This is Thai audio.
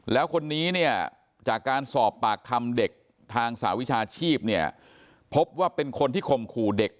แล้วคนนี้เนี่ยจากการสอบปากคำเด็กทางสหวิชาชีพเนี่ยพบว่าเป็นคนที่ข่มขู่เด็ก